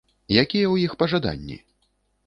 Якія ў іх пажаданні?